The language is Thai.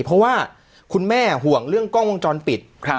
เพราะว่าคุณแม่ห่วงเรื่องกล้องวงจรปิด